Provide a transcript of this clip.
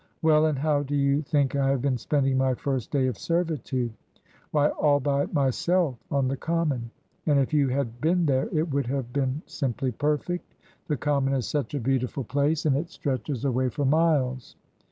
Well, and how do you think I have been spending my first day of servitude? Why, all by myself on the common; and if you had been there it would have been simply perfect; the common is such a beautiful place, and it stretches away for miles.